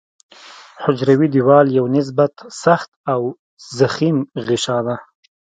حجروي دیوال یو نسبت سخت او ضخیم غشا ده.